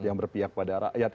yang berpihak pada rakyat